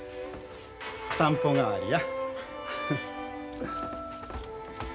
散歩代わりや。